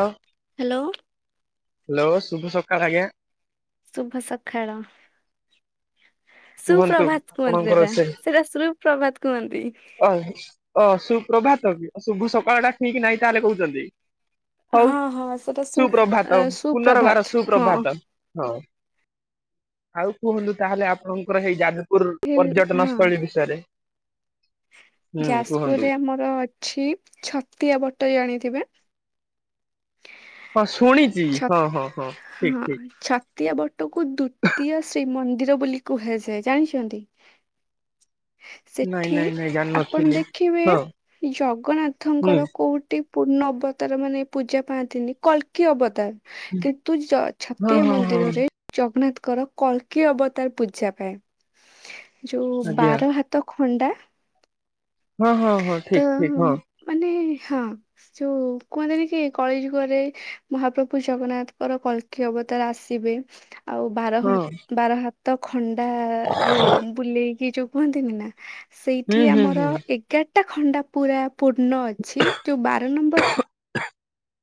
ହଁ। Hello. Hello ଶୁଭ ସକାଳ ଆଜ୍ଞା। ଶୁଭ ସଖାଳ। କୁହନ୍ତୁ ସୁପ୍ରଭାତ କୁହନ୍ତି ଆପଣଙ୍କର ସେଟା ସେ ସେଟା ସୁପ୍ରଭାତ କୁହ ଅ ଅ ସୁପ୍ରଭାତ ବି ଶୁଭ ସକାଳ ଟା ଠିକ୍ ନାଇଁ ତାହେଲେ କହୁଛନ୍ତି। ହଉ ହଁ ହଁ ସେଟା ସୁ ସୁପ୍ରଭାତ ସୁପ୍ରଭାତ ପୁନର୍ବାର ହଁ ସୁପ୍ରଭାତ ହଉ। ଆଉ କୁହନ୍ତୁ ତାହେଲେ ଆପଣଙ୍କର ହେଇ ଯାଜପୁର ହଁ। ପର୍ଯ୍ୟଟନ ସ୍ଥଳୀ ବିଷୟରେ। ହୁଁ କୁହନ୍ତୁ ଯାଜପୁରରେ ଆମର ଅଛି ଛତିଆ ବଟ ଜାଣିଥିବେ। ହଁ ଶୁଣିଚି ହଁ ହଁ ହଁ ଠିକ୍ ଠିକ୍। ତିୟା ବଟକୁ ଦ୍ଵିତୀୟ ଶ୍ରୀମନ୍ଦିର ବୋଲି କୁହାଯାଏ ଜାଣିଛନ୍ତି। ନାଇଁ ସେଠି ନାଇଁ ନାଇଁ ଆପଣ ଜାଣିନଥିଲି। ଦେଖିବେ ହଁ ହୁଁ ଜଗନ୍ନାଥଙ୍କର କୋଉଟି ପୂର୍ଣ୍ଣ ଅବତାର ମାନେ ପୂଜା ପାଆନ୍ତିନି କଲ୍କି ଅବତାର। କିନ୍ତୁ ଜ ହଁ ଛତିଆ ହଁ ହଁ ମନ୍ଦିରରେ ଜଗନ୍ନାଥ୍ ର କଳକି ଅବତାର ପୂଜା ପାଏ ଯୋଉ ଆଜ୍ଞା ବାର ହାତ ଖ ହଣ୍ଡା। ହଁ ହଁ ହଁ ତ ଠିକ ଠିକ ହଁ। ମାନେ ହଁ ଯୋଉ କୁହନ୍ତିନି କି କଳିଯୁଗରେ ମହାପ୍ରଭୁ ଜଗନ୍ନାଥଙ୍କର କଳ୍କୀ ଅବ ତାର ଆସିବେ। ଆଉ ବାର ହଁ ବାର ହାତ ଖଣ୍ଡା ଯୋଉ ବୁଲେଇକି ଯୋଉ କୁହନ୍ତିନି ନା ହୁଁ ସେଇଠି ହୁଁ ହୁଁ ଆମର ଗେଟା ଖଣ୍ଡା ପୁରା ପୂର୍ଣ୍ଣ ଅଛି ଯୋଉ ବାର ନମ୍ବର ଖ [unintelligible]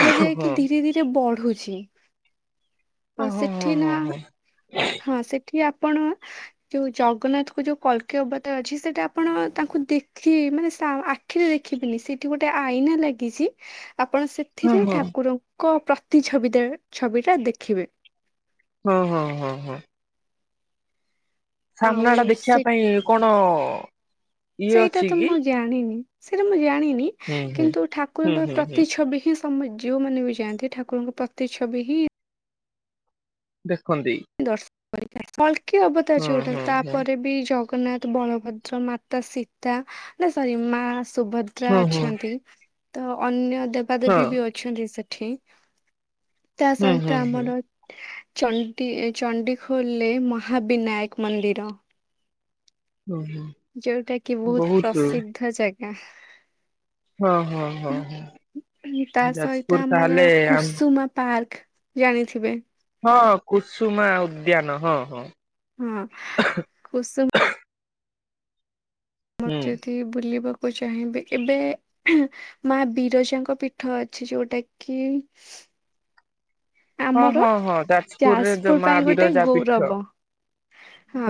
କୁହାଯାଏ ହଁ କି ଧୀରେ ଧୀରେ ବଢୁଛି। ହଁ ଆଉ ହଁ ସେଠି ହଁ ହଁ ନା ହଁ ସେ ଠି ଆପଣ ଯୋଉ ଜଗନ୍ନାଥ କୁ ଯୋଉ କଳ୍କୀ ଅବତାର ଅଛି ସେଟା ଆପଣ ତାଙ୍କୁ ଦେଖି ଏମାନେ ଶା ଆଖିରେ ଦେଖିଥିଲି ସେଠି ଗୋଟେ ଆଇନା ଲାଗିଚି ଆପଣ ହଁ ଏଥିରେ ହଁ। ଠାକୁରଙ୍କ ପ୍ରତି ଛବି ଟା ଛବି ଟା ଦେଖିବେ। ହଁ ହଁ ହଁ ହଁ। ଆଉ ସାମ୍ନା ଟା ଦେଖିବା ସେ ପାଇଁ କଣ ଇଏ ସେଇଟା ଅଛି ତ କି? ମୁଁ ଜାଣିନି ସେଇଟା ମୁଁ ଜାଣି ନି ହୁଁ ହୁଁ କିନ୍ତୁ ହୁଁ ଠାକୁରଙ୍କର ହୁଁ ହୁଁ ପ୍ରତି ଛବି ହିଁ ତମେ ଯଉ ମାନେ ବି ଯାଆନ୍ତି ଠାକୁରଙ୍କ ପ୍ରତି ଛବି ହିଁ। ଦେଖନ୍ତି। ଦର୍ଶନ କଳ୍କୀ ଅବତାର ହୁଁ ଯୋଉଟା ହୁଁ ହୁଁ ତାପରେ ବି ଜ ଗନ୍ନାଥ ବଳଭଦ୍ର ମାତା ସୀତା ନା ସରି ମା ସୁଭଦ୍ରା ହୁଁ ହୁଁ ହଁ। ଅଛନ୍ତି ତ ଅନ୍ୟ ଦେବାଦେବୀ ବି ଅଛନ୍ତି ସେ ଠି ତା ହୁଁ ହୁଁ ସହିତ ହୁଁ ଆମର ଚ ଟି ଏଇ ଚଣ୍ଡିଖୋଲରେ ମହାବିନାୟକ ମନ୍ଦିର। ହୁଁ ହୁଁ ଯୋଉଟା କି ବହୁତ ପ୍ରସିଦ୍ଧ ଜାଗା। ହଁ ହଁ ହଁ ହଁ ତା ଯାଜପୁର ସହିତ ଆମର ତାହେଲେ ଆମ କୁସୁମା ପାର୍କ। ଜାଣିଥିବେ। ହଁ କୁସୁମା ଉଦ୍ୟାନ ହଁ ହଁ। ହଁ କସୁମ ହୁଁ। [unintelligible] ବୁଲିବ କୁ ଚାହିଁବେ ଏବେ ହେଁ ମା ବିରଜାଙ୍କ ପୀଠ ଅଛି ଯୋଉଟା କି ହଁ ଆମର ହଁ ହଁ ଯାଜପୁରରେ ଜ ଯାଜପୁର ମାଆ ପାଇଁ ଗୋଟେ ବିରଜା ପୀଠ। ଗୌରବ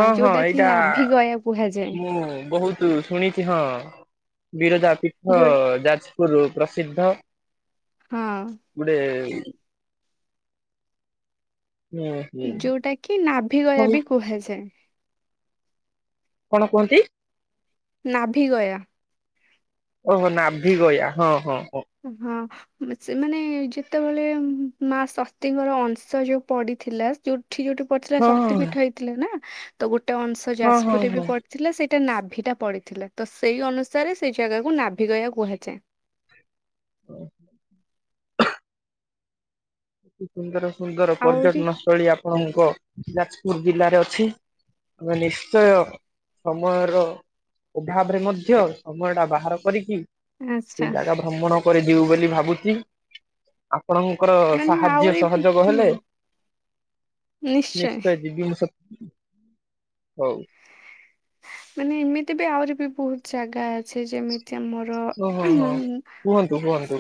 ହଁ ହଁ ଯୋଉଟା କି ଏଇଟା ନାଭି ଗୟା କୁହାଯାଏ ମୁଁ ବହୁତ ଶୁଣିଛି ହଁ। ବିରଜା ପୀଠ ଯୋଉ ଯାଜପୁରରୁ ପ୍ରସିଦ୍ଧ। ହଁ ଗୁଟେ ହୁଁ ହୁଁ ଯୋଉଟା କି ନାଭିଗୟା ହଉ ବି କୁହାଯାଏ। କଣ କୁହନ୍ତି? ନାଭିଗୟା। ଓହୋ ନାଭି ଗୟା ହଁ ହଁ। ହଁ ହଁ। ସେମାନେ ଯେତେବେଳେ ମା ସତୀଙ୍କର ଅଂଶ ଯୋଉ ପଡିଥିଲା ଯୋଉ ଯୋଠି ଯୋଉଠି ପଡିଥିଲା ହଁ ଶକ୍ତି ପୀଠ ହେଇଥିଲା ନା ତ ଗୋଟେ ଅଂଶ ହଁ ହଁ ଯାଜପୁରରେ ବି ହଁ। ପଡିଥିଲା ସେ ନାଭିଟା ପଡିଥିଲା ତ ସେଇ ଅନୁସାରେ ସେଇ ଜାଗାକୁ ନାଭି ଗୟା କୁହାଯାଏ। ଓହୋ। ଏତେ ସୁନ୍ଦର ସୁନ୍ଦର ଆହୁରି ପର୍ଯ୍ୟଟନ ସ୍ଥଳୀ ଆପଣଙ୍କ ଯାଜପୁର ଜିଲ୍ଲାରେ ଅଛି। ଆମେ ନିଶ୍ଚୟ ସମୟର ଅଭାବରେ ମଧ୍ୟ ସମୟ ଟା ବାହାର କରିକି ସେଇ ଆଚ୍ଛା ଜାଗା ଭ୍ରମଣ କରି ଯିବୁ ବୋଲି ଭାବୁଛି ଅପଣଙ୍କର ମାନେ ସାହାଯ୍ୟ ଆହୁରି ହୁଁ ସହଯୋଗ ହେଲେ ନିଶ୍ଚୟ ଯିବି ମୁଁ ସତ। ହୋଉ। ମାନେ ଏମିତି ବି ଆହୁରି ବି ବହୁତ ଜାଗା ଅଛି। ଯେମିତି ଚି ଆମର ଓ ହଁ ର ଉଁ ହଁ। କୁହନ୍ତୁ କୁହନ୍ତୁ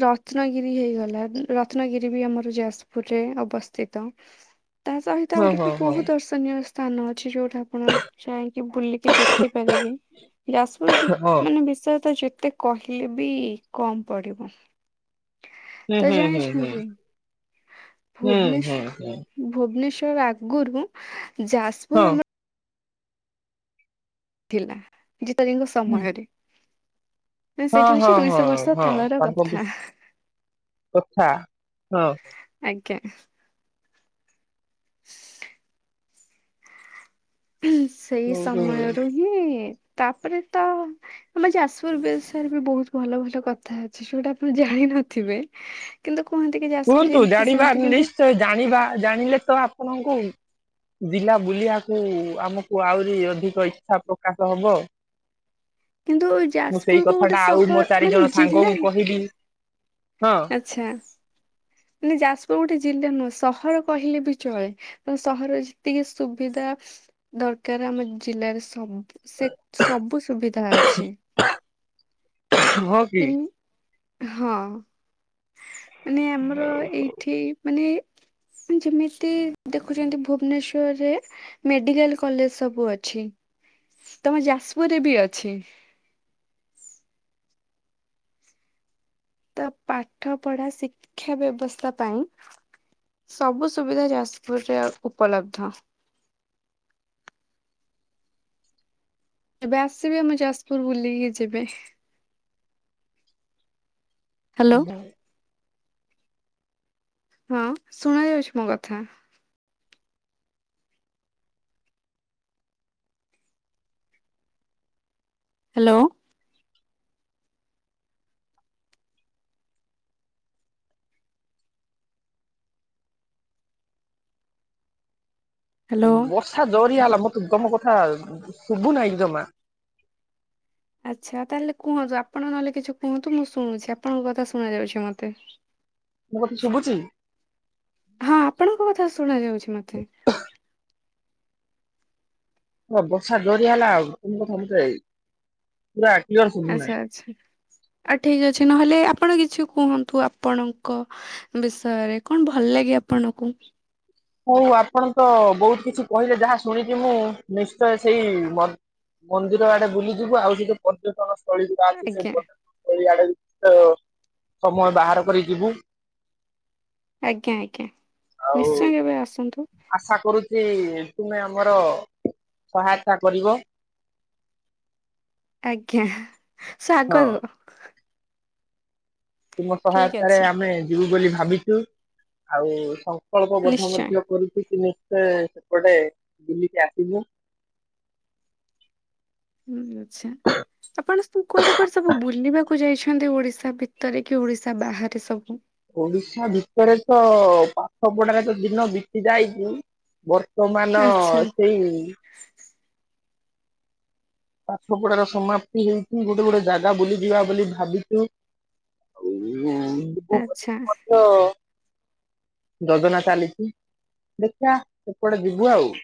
ର ରତ୍ନଗିରି ହେଇଗଲା ରତ୍ନଗିରି ବି ଆମର ଯାଜପୁରରେ ଅବସ୍ଥିତ। ତା ସହିତ ହଁ ଆଉଠି ହଁ ବି ହଁ ବହୁତ ଦର୍ଶନୀୟ ସ୍ଥାନ ଅଛି। ଯୋଉଠା ଆପଣ ଯାଇ ବୁଲିକି ଦେଖି ପାରିବେ ଯାଜପୁର ବି ହଁ ମାନେ ବିଷୟ। ତ ଯେତେ କହିଲେ ବି କମ୍ ପଡିବ। ହୁଁ ତ ହୁଁ ହୁଁ ହୁଁ ଜାଣିଛନ୍ତି ହୁଁ ହୁଁ ଭୁବନେଶ ହୁଁ ଭୁବନେଶ୍ୱର। ଆଗରୁ ଯାଜପୁର ଆମର ହଁ। ଥିଲା ଜିଯାଜିଙ୍କ ସମୟରେ। ମାନେ ହଁ ସେଇଟା ହଁ ହଉଛି ହଁ ଦୁଇଶହ ବର୍ଷ ହଁ। ତଳର କଥା କଥା ହଁ। ଆଜ୍ଞା। [inaudible] ସେଇ ହୁଁ, ହୁଁ। ସମୟରୁ ହିଁ ତାପରେ ତ ଆମ ଯାଜପୁର ବିଷୟରେ ବି ବହୁତ ଭଲ ଭଲ କଥା ଅଛି ଯୋଉଟା ଆପଣ ଜାଣି ନଥିବେ କିନ୍ତୁ କୁହନ୍ତି କି ଯାଜପୁରରେ କୁହନ୍ତୁ ଏମିତି ଜାଣିବା ସେମିତି କିନ୍ତୁ ନିଶ୍ଚୟ ଜାଣିବା ଜାଣିଲେ ତ ଆପଣଙ୍କୁ ଜିଲ୍ଲା ବୁଲିବାକୁ ଆମକୁ ଆହୁରି ଅଧିକ ଇଚ୍ଛା ପ୍ରକାଶ ହବ। କିନ୍ତୁ ମୁଁ ସେଇ ଯାଜପୁରକୁ କଥା ଗୋଟେ ଟା ଆଉ ସହର ମୋର ଚାରି ମାନେ ଜଣ ଜିଲ୍ଲା ସାଙ୍ଗଙ୍କୁ କହିବି। ହଁ ଆଚ୍ଛା। ମାନେ ଯାଜପୁର ଗୋଟେ ଜିଲ୍ଲା ନୁହେଁ ସହର କହିଲେ ବି ଚଳେ ତ ସହରରେ ଯେତିକି ସୁବିଧା। ଦରକାର ଆମ ଜିଲ୍ଲାରେ ସବୁ ସେ ସବୁ ସୁବିଧା ଅଛି। ହଁ କି? ଏମ ହଁ ମାନେ ଆମର ଏଇଠି ମାନେ ଯେମିତି ଦେଖୁଛନ୍ତି ଭୁବନେଶ୍ଵରରେ ମେଡିକାଲ କଲେଜ ସବୁ ଅଛି। ତମ ଯାଜପୁରରେ ବି ଅଛି। ତା ପାଠ ପଢା ଶିକ୍ଷା ବ୍ୟବସ୍ଥା ପାଇଁ ସବୁ ସୁବିଧା ଯାଜପୁରରେ ଉପଲବ୍ଧ। କେବେ ଆସିବେ ଆମ ଯାଜପୁର ବୁଲିକି ଯିବେ? ହ୍ୟାଲୋ। ବାଏ। ହଁ ଶୁଣ ଯାଉଛି ମୋ କଥା? ହ୍ୟାଲୋ? ହ୍ୟାଲୋ। ବର୍ଷା ଯୋରିଆ ହେଲା,, ତମ କ ତମ କଥା ଶୁଭୁ ନାହିଁ ଜମା,, ଆଚ୍ଛା ତାହେଲେ କୁହନ୍ତୁ ଆପଣଙ୍କ ନହେଲେ କିଛି କୁହନ୍ତୁ ମୁଁ ଶୁଣୁଛି ଆପଣଙ୍କ କଥା ଶୁଣା ଯାଉଛି ମତେ ମୋ କଥା ଶୁଭୁଛି ହଁ ଆପଣଙ୍କ କଥା ଶୁଣା ଯାଉଛି ମତେ ହ ବର୍ଷା ଜୋରିଆ ହେଲା ଆଉ ତମ କଥା ମତେ ପୁରା କ୍ଳିଅର ଆଚ୍ଛା ଶୁଭୁନାହିଁ ଆଚ୍ଛା। ଆ ଠିକ ଅଛି ନହେଲେ ଆପଣ କିଛି କୁହନ୍ତୁ ଆପଣଙ୍କ ବିଷୟରେ କଣ ଭଲ ଭଲ ଲାଗେ ଆପଣଙ୍କୁ ହଉ ଆପଣ ତ ବହୁତ କିଛି କହିଲେ ଯାହା ଶୁଣିଛିି ମୁଁ ନିଶ୍ଚୟ ସେଇ ମନ୍ଦିର ଆଡେ ବୁଲିଯିବୁ ଆଉ ସେ ଜୋଉ ପର୍ଯ୍ୟଟନ ସ୍ଥଳୀ ଯୋଉା ଅଛି ସେ ଆଜ୍ଞା ପର୍ଯ୍ୟଟନ ସ୍ଥଳୀ ଆଡେ ଜିଵୁ ତ ସମୟ ବାହାର କରି ଯିବୁ ଆଜ୍ଞା ଆଜ୍ଞା ଆଉ ନିଶ୍ଚୟ କେବେ ଆସ ଆଶା କରୁଛି ତୁମେ ଆମର ସହାୟତା କରିବ ଆଜ୍ଞା ହଁ ସାଗରୁ ତୁମ ସହାୟତାରେ ଅଛି ଆମେ ଯିବୁ ବୋଲି ଭାବିଛୁ ଆଉ ପ୍ରକଳ୍ପ ବଦ୍ଧ ନିଶ୍ଚୟ। ମଧ୍ୟ କରୁଛୁ ତୁମେ ସେପଟେ ବୁଲିକି ଆସିବୁ ହୁଁ ଆଛା ଆପଣ ସବୁ କୁଆଡେ କୁଆଡେ ସବୁ ବୁଲିବାକୁ ଯାଇଛନ୍ତି ଓଡିଶା ତା ଭିତରେ କି ଓଡ଼ିଶା ବାହାରେ ସବୁ ଓଡିଶା ଭିତରେ ତ ପାଠ ପଢାାରେ ତ ଦିନ ବିତି ଯାଇଛି ବର୍ତ୍ତମାନ ଆଚ୍ଛା ସେଇ ପାଠପଢାର ସମାପ୍ତି ହେଇଛି ଗୋଟେ ଗୋଟେ ଜାଗା ବୁଲିଯିବା ବୋଲି ଭାବିଛୁ ଏଇ ଜିବୁବୋଲି ଆଚ୍ଛା ମଧ୍ୟ ଯୋଜନା ଚାଲିଛି ଦେଖିଆ ସେପଟେ ଯିବୁ ଆଉ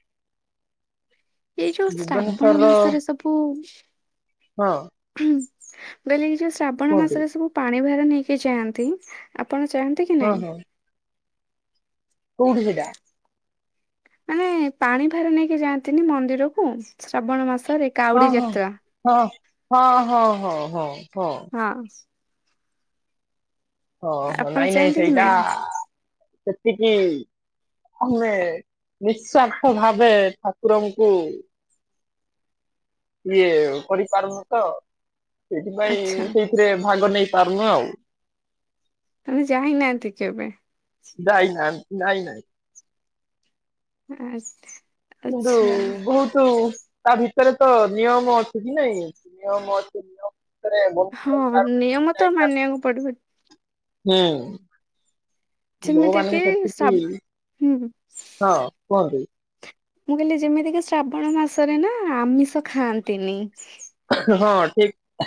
ଏଇ ଯୋଉ ଶ୍ରାବଣ ଭୁବନେଶ୍ଵରର ମାସରେ ସବୁ ହଁ ବୋଇଲେ ଯୋଉ ଶ୍ରାବଣ କୁହନ୍ତୁ ମାସରେ ସବୁ ପାଣି ଭାର ନେଇକି ଯାଆନ୍ତି ଆପଣ ଚାହାନ୍ତି କି ନାହିଁ କଉଠି ସେଟା ମାନେ ପାଣି ଭାର ନେଇକି ଯାଆନ୍ତିନି ମନ୍ଦିରକୁ ଶ୍ରାବଣ ମାସରେ ହଁ କାଉଡି ହଁ ଯାତ୍ରା। ହଁ ହଁ ହଁ ହଁ ହଁ ହଁ ହଁ ହଁ ଆପଣ ନାଇଁ ନାଇଁ ଚାହାନ୍ତି କି ସେଇଟା ସେତିକି ଆମେ ନିସ୍ଵାର୍ଥ ଭାବେ ଠାକୁରଙ୍କୁ ଇଏ କରିପାରୁନୁ ତ ସେଇଥିପାଇଁ ଆଚ୍ଛା ସେଇଥିରେ ଭାଗ ନେଇ ପାରୁନୁ ଆଉ ମାନେ ଯାଇନାହାନ୍ତି କେବେ ଯାଇନାଇ ନାଇଁ ନାଇଁ ଆଛା କିନ୍ତୁ ବହୁତ ତା ଭିତରେ ତ ନିୟମ ଅଛି କି ନାଇଁ ନିୟମ ଅଛି ଭିତରେ ବନ୍ଧା ହଁ ହେଇପାରୁନାହିଁ, ନିୟମ ତ ମାନିବାକୁ ପଡିବ ହୁଁ ଯେମିତି କିି ଭଗବାନଙ୍କ ସା ସେତି ହୁଁ ହଁ କୁହନ୍ତୁ ମୁଁ କହିଲି ଯେମିତି କି ଶ୍ରାବଣ ମାସରେ ନା ଆମିଷ ଖାଆନ୍ତିନି ହଁ ଠିକ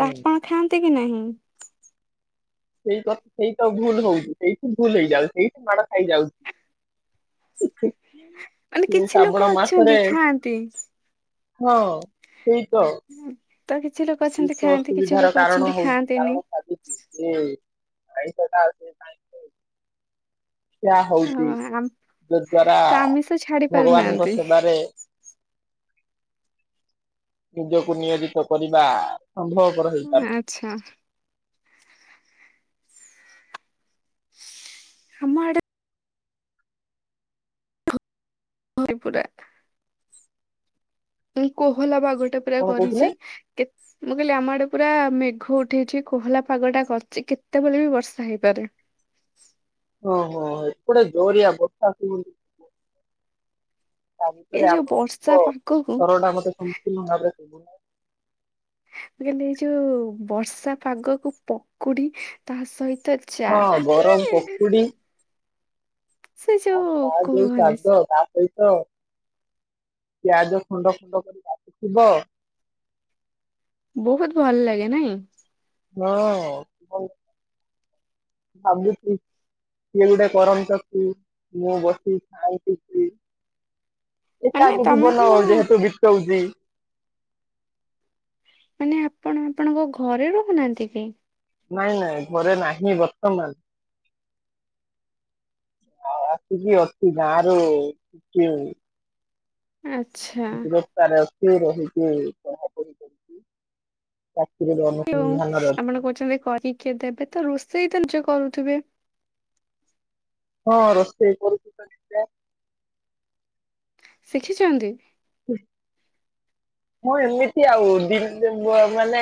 ତ ଆପଣ ଖାଆନ୍ତି କି ନାହିଁ ସେଇକଥା ସେଇତ ଭୁଲ ହଉଚି ସେଇଠି ଭୁଲ ହେଇଯାଉଛି ସେଇଠି ମାଡ ଖାଇଯାଉଛି ମାନେ କିଛି ଲୋକ ଶ୍ରାବଣ ଅଛନ୍ତି ମାସରେ ଖାଆନ୍ତି ହଁ ସେଇ ତ। ତ କିଛି ଲୋକ ସେଇ ଅଛନ୍ତି ତ ଖାଆନ୍ତି କିଛି ଅସୁବିଧାର ଲୋକ କାରଣ ଅଛନ୍ତି ଖାଆନ୍ତିନି। ହଉ-କାରଣ ସାଜୁଚି ଯେ। ଆଁଇଷଟା [unintelligible] ହଁ ଯଦ୍ଵାରା ତ ଆମିଷ ଛାଡି ଭଗବାନଙ୍କ ପାରୁନାହାନ୍ତି। ସେବାରେ ନିଜକୁ ନିୟୋଜିତ କରିବା। ସମ୍ଭବ ପର ହେଇପାରେ। ଆଚ୍ଛା ଆମଆଡ଼େ ଭରିପୁରା। ମୁଁ କୋହଲା ପାଗଟେ ପୁରା କଣ କରିଛି କହୁଥିଲେ? କେ- ମୁଁ କହିଲି ଆମ ଆଡେ ପୁରା ମେଘ ଉଠେଇଛି କୋହଲା ପାଗଟା କରିଛି କେତେବେଳେ ବି ବର୍ଷା ହେଇପାରେ। [inaudible] ଓ ହୋ ଏପଡେ ଜୋରିଆ ବର୍ଷା ଯୋଉ ତା ଏଇ ଭିତରେ ଯୋଉ ବର୍ଷା ଆପଣଙ୍କ ପାଗକୁ ମୁଁ ସ୍ତର ଟା ମତେ ସଂପୂର୍ଣ୍ଣ ଭାବରେ କିବନହିଁ। ମୂର୍ କହିଲେ ଏଇ ଯୋଉ ବର୍ଷା ପାଗକୁ ପକୁଡି ତା ସହିତ ତ ଚା ହଁ ଗରମ ମାନେ ପକୁଡି ସେ [unintelligible] ତା ଯୋଉ କୁହନି ସହିତ ପିଆଜ ଖୁଣ୍ଡ ଖୁଣ୍ଡ କରି କାଟି ଥିବ। ବହୁତ ଭଲ ଲାଗେ ନାଇଁ? ହଁ ଅଛନ୍ତି ଭାବୁଚି ସିଏ ଗୋଟେ କରମଚୁ ମୁଁ ବସି ସାଇ ମାନେ ଏକାକୀ ତମେ ଜୀବନ ତମ ଯେହେତୁ ବିତଉଛି। ମାନେ ଆପଣ ଆପଣଙ୍କ ଘରେ ରହୁନାହାନ୍ତି କି? ନାଇଁ ନାଇଁ ଘରେ ନାହିଁ ବର୍ତ୍ତମାନ। ଆଉ ଆସିକି ଅଛି ଗାଁ ରୁ ଶିଖିନି। ଆଚ୍ଛା ଦୂରତା ରେ ଅଛି ରହିକି ପଢାପଢି କରୁଛି ତମ ଆପଣ କହୁଛନ୍ତି କରିକି କିଏ ଦେବେ ତ ରୋଷେଇ ତ ନିଜ କରୁଥିବେ। ହଁ ରୋଷେଇ କରୁଛି ତ [inaudible] ଶିଖିଛନ୍ତି? ମୁଁ ଏମିତି ଆଉ ଦି ନ ମାନେ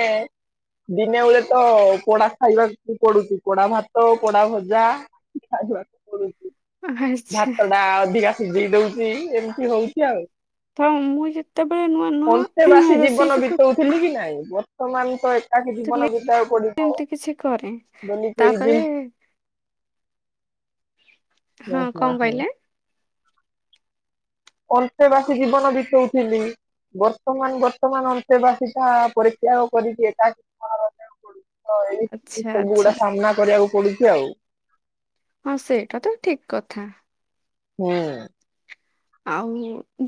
ଦିନେ ବେଳେ ତ ପୋଡା ଖାଇବାକୁ ପଡୁଛି ପୋଡ଼ା ଭାତ ପୋଡ଼ା ଭଜା। ପଡୁଛି ଆଚ୍ଛା। ଭାତ ଟା ଅଧିକା ସିଝେଇ ଦଉଛି ଏମିତି ହଉଛି ଆଉ। ତ ମୁଁ ଯେତେ ଅନ୍ତେ ବାସି ଜୀବନ ବିତଉଥିଲି କି ନାଇଁ ବର୍ତ୍ତମାନ ତ ଏଠ ତାକେ ଶିଖୁଥିଲି ଜୀବନ ବିିତାଇବାକୁ ଏମିତି କିଛି କରେ। ପଡିବ କିଛି ତାପରେ ଦିନ। ହଁ କଣ ହୁଁ। କହିଲେ? ଅନ୍ତେ ବସି ଜୀବନ ବିତଉଥିଲି। ବର୍ତ୍ତମାନ ବର୍ତ୍ତମାନ ଅନ୍ତେବାସୀ ଟା ପରୀତ୍ୟାଗ କରିଛିଟ କି ରକୁ ପଡୁଛି। ହଁ ଏଇ ଆଚ୍ଛା ସବୁ ଆଚ୍ଛା ଗୁଡା ସାମ୍ନା କରିବାକୁ ପଡୁଛି ଆଉ। ହଁ ସେଇଟା ତ ଠିକ୍ କଥା। ହୁଁ। ଆଉ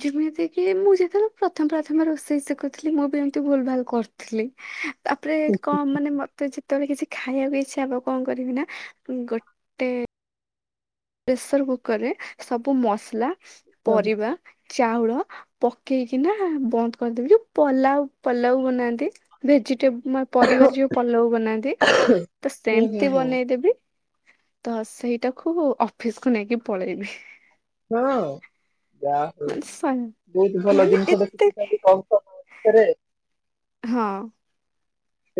ଯେମିତି କିି ମୁଁ ଯେତେବେଳେ ପ୍ରଥମ ପ୍ରଥମେ ରୋଷେଇ ଶିଖୁଥିଲି ମୁଁ ବି ଏମିତି ଭୁଲ ଭାଲ କରୁଥିଲି ତାପରେ କଣ ମାନେ ମତେ ଯେତେବେଳେ କିଛି ଖାଇବାକୁ ଇଚ୍ଛା ହବ କଣ କରିବି ନା ଗୋଟେ ପ୍ରେସର କୁକର ରେ ସବୁ ମସଲା ହୁଁ ପରିବା ଚାଉଳ ପକେଇକିନା ବନ୍ଦ କରିଦେବି ଯଉ ପଲାଉ ପଲାଉ ବନାନ୍ତି ଭେଜିଟେବଲ ମୋ ପରିବାରେ ଯଉ ପଲଉ ବନାନ୍ତି ତ ହୁଁ ସେମିତି ହୁଁ ବନେଇଦେବି ତ ସେଇଟାକୁୁ ଅଫିସକୁୁ ନେଇକି ପଳେଇବି। ହଁ ଯାହା ହଉ ମାନେ ସଇ ବହୁତ ଭଲ ମାନେ ଜିନିଷ ଟେ ଏତେ ଶିଖିଛନ୍ତି ବହୁତ ସେରେ ହଁ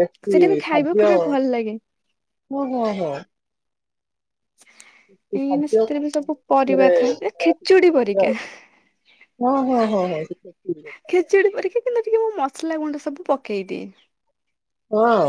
ଦେସି ସେଇଟା ବି ଖାଦ୍ୟ ଖାଇବାକୁ ବି ଭଲ ଲାଗେ। ହ ହଁ ହଁ ଦେଶି କାହିଁକିନା ଖାଦ୍ୟ ସେଥିରେ ବି ସବୁ ପରିବା ଥାଏ ଏ ଖେଚୁଡି ପରିକା [unintelligible] ହଁ ହଁ ହଁ ଖେଚୁଡି ପରିକି କିନ୍ତୁ ଟିକେ ମୁଁ ମସଲା ଗୁଣ୍ଡ ସବୁ ପକେଇଦିଏ ହଁ